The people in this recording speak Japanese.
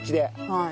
はい。